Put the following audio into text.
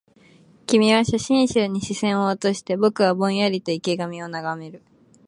君は写真集に視線を落として、僕はぼんやりと生垣を眺める